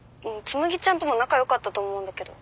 紬ちゃんとも仲良かったと思うんだけど。